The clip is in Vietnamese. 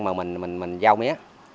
mà mình giao mía